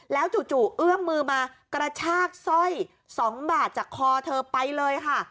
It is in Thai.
แล้วจู่เอื้อมมือมากระชากสร้อย๒บาทจากคอเธอไปเลยค่ะ